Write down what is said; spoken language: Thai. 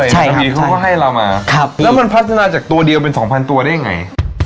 ใช่ครับคือเขาก็ให้เรามาครับแล้วมันพัฒนาจากตัวเดียวเป็นสองพันตัวได้ไง